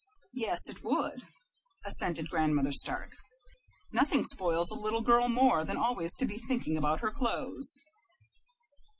"Yes, it would," assented Grandmother Stark. "Nothing spoils a little girl more than always to be thinking about her clothes."